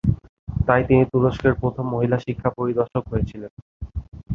তাই তিনি তুরস্কের প্রথম মহিলা শিক্ষা পরিদর্শক হয়েছিলেন।